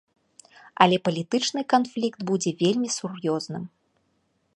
Але палітычны канфлікт будзе вельмі сур'ёзным.